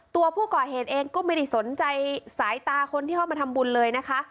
ตัวผู้ก่อเหตุเองก็ไม่ได้สนใจสายตาคนที่เข้ามาทำบุญเลยนะคะ